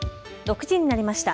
６時になりました。